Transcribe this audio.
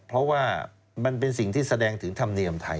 เพราะว่ามันเป็นสิ่งที่แสดงถึงธรรมเนียมไทย